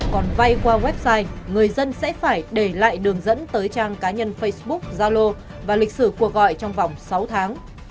còn vay qua website người dân sẽ phải để lại đường dẫn tới trang cá nhân facebook zalo và lịch sử cuộc gọi trong vòng sáu tháng